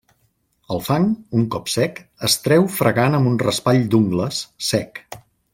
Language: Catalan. El fang, un cop sec, es treu fregant amb un raspall d'ungles, sec.